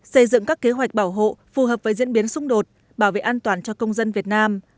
xây dựng các kế hoạch bảo hộ phù hợp với diễn biến xung đột bảo vệ an toàn cho công dân việt nam